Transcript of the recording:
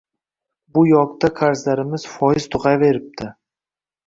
Bu yoqda qarzlarimiz foyiz tugʻaveribdi